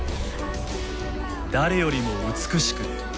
誰よりも美しく。